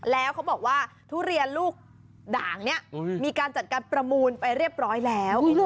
แล้วเขาบอกว่าทุเรียนลูกด่างนี้มีการจัดการประมูลไปเรียบร้อยแล้ว